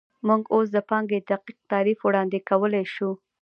موږ اوس د پانګې دقیق تعریف وړاندې کولی شو